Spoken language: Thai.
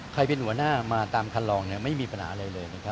ใครเป็นหัวหน้ามาตามคันลองเนี่ยไม่มีประหนาอะไรเลยนะครับ